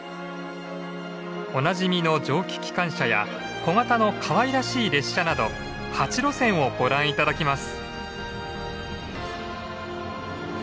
おなじみの蒸気機関車や小型のかわいらしい列車など８路線をご覧頂きます。